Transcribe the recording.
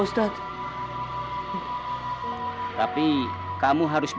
ustadz penipu bu bohong